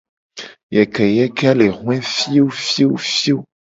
Yekeyeke a le hoe fiofiofio.